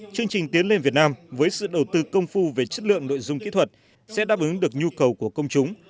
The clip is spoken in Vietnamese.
chương trình tiến lên việt nam với sự đầu tư công phu về chất lượng nội dung kỹ thuật sẽ đáp ứng được nhu cầu của công chúng